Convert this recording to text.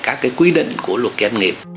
các cái quy định của luật kinh nghiệp